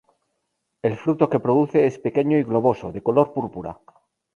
El fruto que produce es pequeño y globoso, de color púrpura.